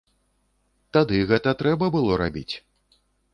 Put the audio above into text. Тады гэта трэба было рабіць.